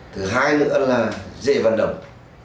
thứ hai nữa là dễ vận động